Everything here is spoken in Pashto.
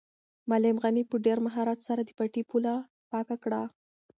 معلم غني په ډېر مهارت سره د پټي پوله پاکه کړه.